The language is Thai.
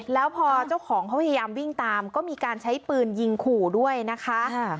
แล้วพอเจ้าของเขาพยายามวิ่งตามก็มีการใช้ปืนยิงขู่ด้วยนะคะ